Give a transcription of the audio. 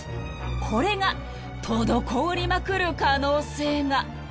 ［これが滞りまくる可能性が］